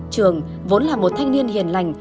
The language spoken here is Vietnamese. trường vốn là một thanh niên hiền lành